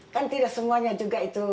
kan tidak semuanya juga itu